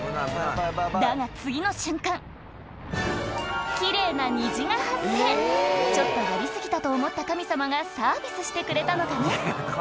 だが次の瞬間奇麗な虹が発生ちょっとやり過ぎたと思った神様がサービスしてくれたのかな？